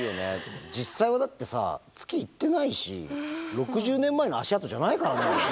実際はだってさ月行ってないし６０年前の足跡じゃないからねあれ。